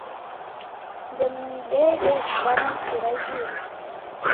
Ndemuendeghe zighana mpira idime